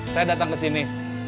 saya datang ke sini